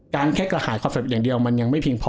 การแค่กระหายความสำเร็จอย่างเดียวมันยังไม่เพียงพอ